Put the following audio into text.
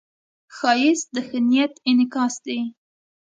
ښایست د ښه نیت انعکاس دی